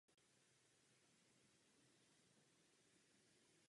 Dále je uváděn jako zakladatel střeleckého spolku a střelnice.